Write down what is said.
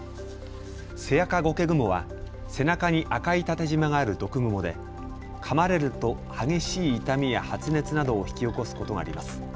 セアカゴケグモは背中に赤い縦じまがある毒グモでかまれると激しい痛みや発熱などを引き起こすことがあります。